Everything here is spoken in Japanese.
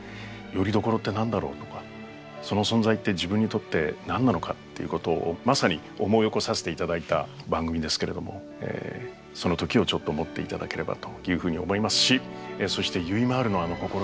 「よりどころって何だろう？」とか「その存在って自分にとって何なのか？」っていうことをまさに思い起こさせて頂いた番組ですけれどもその時をちょっと持って頂ければというふうに思いますしそしてゆいまーるの心ですよね。